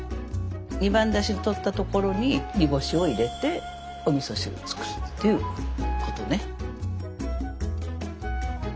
二番だしをとったところににぼしを入れておみそ汁を作るっていうことね。